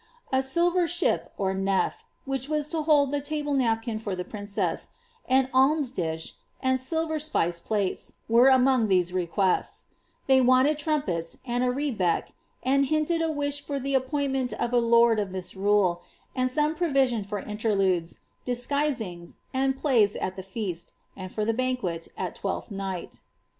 A silver ship, or nf/" (which was to hold the table napkin for the ptincasV an alms dish, and silver spice plates, were among these reqfuests; tker wanted trumpets, and a rebeck, and hinted a wish for the ^pointnart of a lord of misrule, and some provision for interludes, disguisinga, wtd plays at the feast, and for the banquet at Twelftii night.